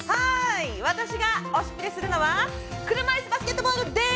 私が「推しプレ！」するのは車いすバスケットボールです！